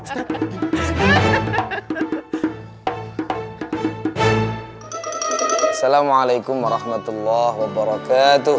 assalamualaikum warahmatullah wabarakatuh